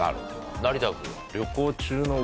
成田君。